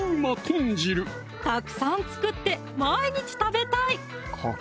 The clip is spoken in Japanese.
たくさん作って毎日食べたい！